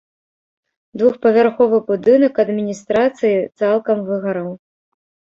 Двухпавярховы будынак адміністрацыі цалкам выгараў.